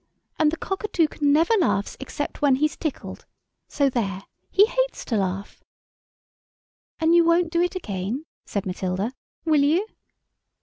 And the Cockatoucan never laughs except when he's tickled. So there! He hates to laugh." "And you won't do it again," said Matilda, "will you?"